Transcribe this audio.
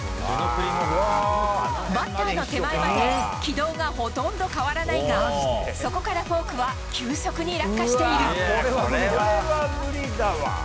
バッターの手前まで、軌道がほとんど変わらないが、そこからフォークは急速に落下している。